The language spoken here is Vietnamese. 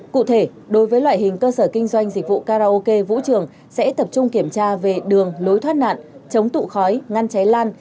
cụ thể đối với loại hình cơ sở kinh doanh dịch vụ karaoke vũ trường sẽ tập trung kiểm tra về đường lối thoát nạn chống tụ khói ngăn cháy lan